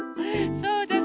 そうです。